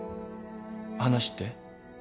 話って？